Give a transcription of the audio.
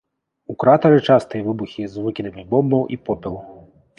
У кратары частыя выбухі з выкідамі бомбаў і попелу.